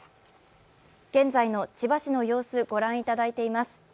現在の千葉市の様子、ご覧いただいています。